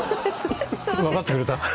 分かってくれた？